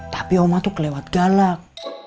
tapi oma tuh kelewat galak